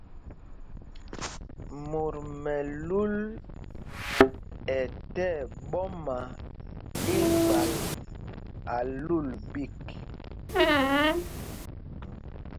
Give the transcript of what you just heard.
Mot mɛlu ɛ tí ɛɓɔma igbal ɛ lul ɓîk.